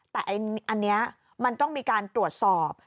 แต่อันนี้มันต้องมีการตรวจสอบ